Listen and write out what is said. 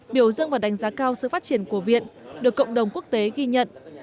biểu dương và đánh giá cao sự phát triển của viện được cộng đồng quốc tế ghi nhận